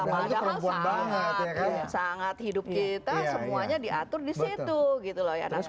padahal sangat hidup kita semuanya diatur di situ